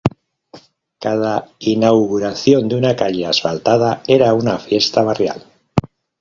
Cada inauguración de una calle asfaltada era una fiesta barrial.